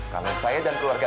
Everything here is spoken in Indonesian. kalau saya dan keluarga